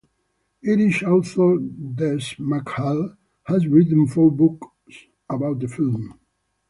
Irish author Des MacHale has written four books about the film.